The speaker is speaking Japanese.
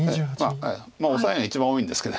オサエが一番多いんですけど。